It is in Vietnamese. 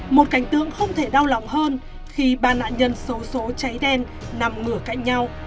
một cảnh tượng không thể đau lòng hơn khi ba nạn nhân xấu xố cháy đen nằm ngửa cạnh nhau